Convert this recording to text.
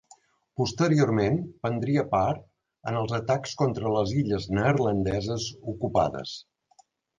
Posteriorment prendria part en els atacs contra les illes neerlandeses ocupades.